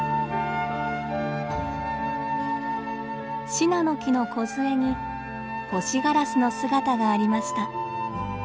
シナノキのこずえにホシガラスの姿がありました。